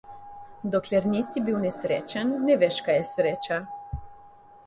Dokler nisi bil nesrečen, ne veš, kaj je sreča.